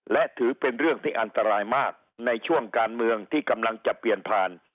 และถือเป็นเรื่องที่อันตรายมากในช่วงการเมืองที่กำลังจะเปลี่ยนผ่าน